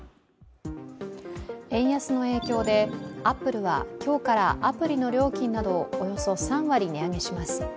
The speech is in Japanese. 円安の影響で、アップルは今日からアプリの料金などをおよそ３割値上げします。